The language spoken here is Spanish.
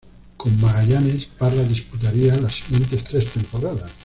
Con Magallanes, Parra disputaría las siguientes tres temporadas.